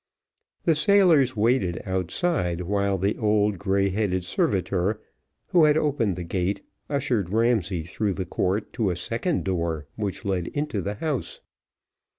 The sailors waited outside while the old gray headed servitor who had opened the gate, ushered Ramsay through the court to a second door which led into the house.